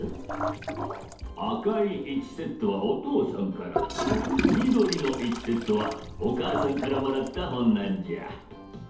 あかい１セットはおとうさんからみどりの１セットはおかあさんからもらったほんなんじゃ。